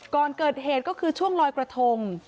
ก่อนเกิดเหตุก็คือช่วงลอยกระทง